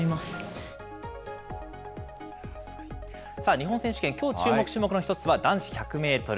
日本選手権、きょう注目種目の一つは、男子１００メートル。